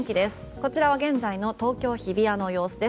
こちらは現在の東京・日比谷の様子です。